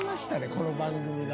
この番組が。